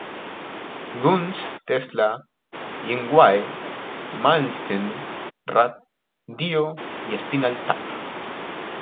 Guns, Tesla, Yngwie Malmsteen, Ratt, Dio y Spinal Tap.